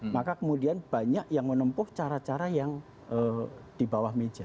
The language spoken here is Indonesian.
maka kemudian banyak yang menempuh cara cara yang di bawah meja